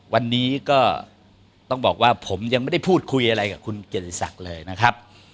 วันนี้ก็ต้องบอกว่าผมยังไม่ได้พูดคุยอะไรกับคุณเกียรติศักดิ์เลยนะครับ